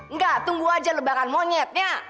nggak tunggu aja lebaran monyetnya